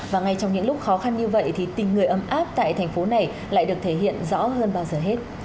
và ngay trong những lúc khó khăn như vậy thì tình người ấm áp tại thành phố này lại được thể hiện rõ hơn bao giờ hết